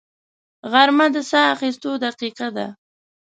غرمه د ساه اخیستو دقیقه ده